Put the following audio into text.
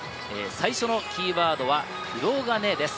最初のキーワードは「くろがね」です。